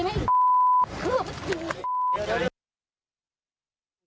เข้าไปที